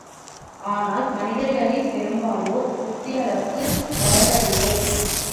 ஆனால் மனிதர்களில் பெரும்பாலோர், புத்தி அளவுக்கு வளர்வதில்லை.